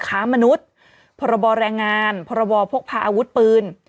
ค้ามนุษย์พรบแรงงานพรบพกพาอาวุธปืน